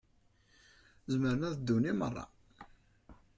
Zemren ad ddun imir-a.